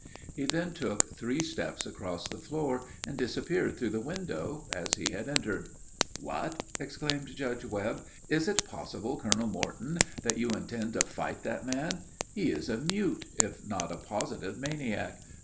He then took three steps across the floor, and disappeared through the window, as he had entered. "What?" exclaimed Judge Webb, "is it possible Colonel Morton, that you intend to fight that man? He is a mute, if not a positive maniac.